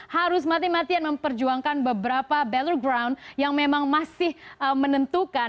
harus mati matian memperjuangkan beberapa battlerground yang memang masih menentukan